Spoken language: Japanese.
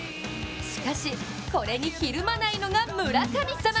しかし、これにひるまないのが村神様。